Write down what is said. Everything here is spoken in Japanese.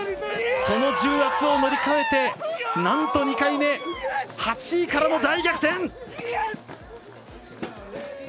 その重圧を乗り越えてなんと２回目、８位からの大逆転。